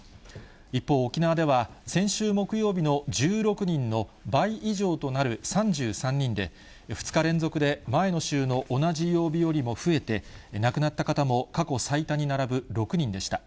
一方、沖縄では先週木曜日の１６人の倍以上となる３３人で、２日連続で前の週の同じ曜日よりも増えて、亡くなった方も過去最多に並ぶ６人でした。